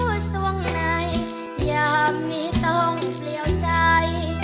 แล้วตรงไหนอย่างนี้ต้องเปลี่ยวใจ